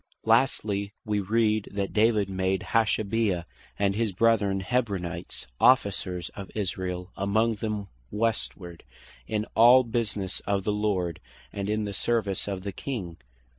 Lastly, wee read (1 Chro. 26.30.) that David made Hashabiah and his brethren, Hebronites, Officers of Israel among them Westward, "in all businesse of the Lord, and in the service of the King."